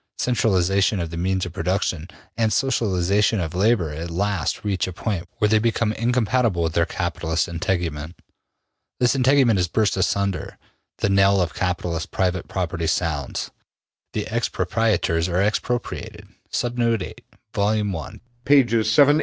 Centralization of the means of production and socialization of labor at last reach a point where they become incompatible with their capitalist integument. This integument is burst asunder. The knell of capitalist private property sounds. The expropriators are expropriated, Vol. i pp. 788, 789.